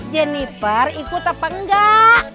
jennifer ikut apa enggak